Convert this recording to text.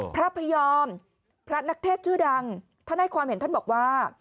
พระพยอมพระนักเทศชื่อดังท่านให้ความเห็นท่านบอกว่า